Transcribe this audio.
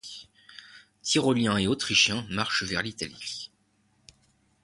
Tyroliens et Autrichiens marchent vers l'Italie.